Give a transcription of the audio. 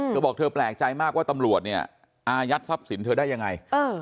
เธอบอกเธอแปลกใจมากว่าตำรวจเนี่ยอายัดทรัพย์สินเธอได้ยังไง